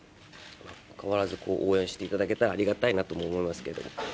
変わらず応援していただけたらありがたいなと思いますけども。